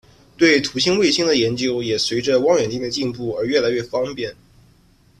对土星卫星的研究也随着望远镜的进步而越来越方便。